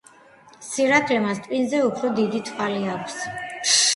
სირაქლემას ტვინზე უფრო დიდი თვალი აქვს.